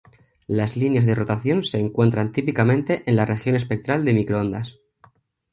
Las líneas de rotación se encuentran típicamente en la región espectral de microondas.